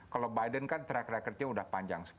kalau biden kan track recordnya udah panjang